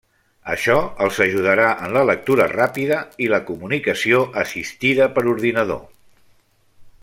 Això els ajudarà en la lectura ràpida i la comunicació assistida per ordinador.